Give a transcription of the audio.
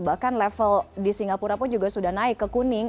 bahkan level di singapura pun juga sudah naik ke kuning